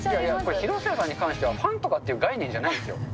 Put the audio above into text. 広末さんに関しては、ファンとかっていう概念じゃないんですよ。